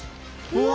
うわ！